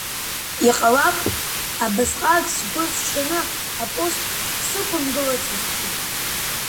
Иҟалап, абасҟак сгәы сҽанны апост сықәымгылацызҭгьы…